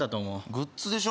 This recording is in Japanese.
グッズでしょ？